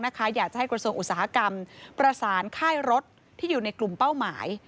อยากจะให้กระทรวงอุตสาหกรรมประสานค่ายรถที่อยู่ในกลุ่มเป้าหมาย